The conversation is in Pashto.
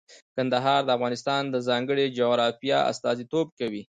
کندهار د افغانستان د ځانګړي جغرافیه استازیتوب کوي.